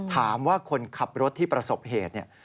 ถามว่าคนขับรถที่ประสบเหตุเนี่ย